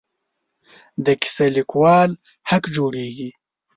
د کیسه لیکوالو حق جوړېږي.